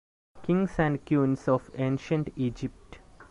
Kings and Queens of Ancient Egypt.